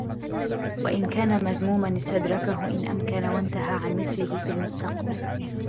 وَإِنْ كَانَ مَذْمُومًا اسْتَدْرَكَهُ إنْ أَمْكَنَ وَانْتَهَى عَنْ مِثْلِهِ فِي الْمُسْتَقْبَلِ